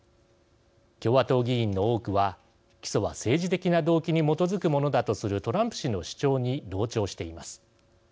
共和党議員の多くは起訴は政治的な動機に基づくものだとするトランプ氏の主張に同調しています。